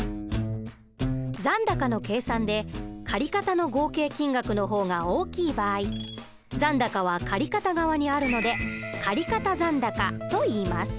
残高の計算で借方の合計金額の方が大きい場合残高は借方側にあるので借方残高といいます。